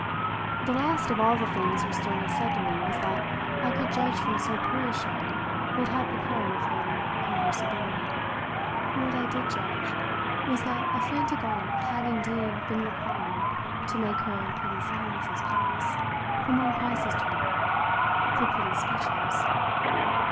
The last of all the things her stillness said to me was that I could judge from so poor a show what had become of her conversability. What I did judge was that a frantic art had indeed been required to make her pretty silences pass, from one crisis to another, for pretty speeches.